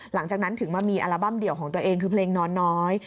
หลังจากนั้นถึงมามีอัลบั้มเดี่ยวของตัวเองคือเพลงนอนน้อย